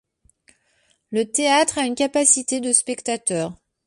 Le théâtre a une capacité de spectateurs.